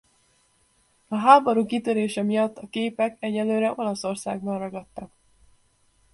A háború kitörése miatt a képek egy időre Olaszországban ragadtak.